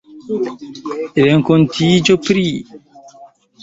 renkontiĝo pri...